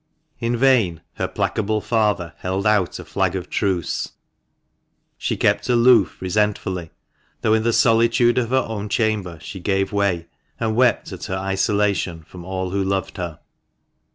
In vain her placable father held out a flag of truce ; she kept aloof resentfully, though in the solitude of her own chamber she gave way, and wept at her isolation from all who loved her.